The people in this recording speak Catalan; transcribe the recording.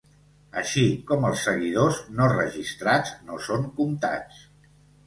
Així com els seguidors no registrats no són comptats.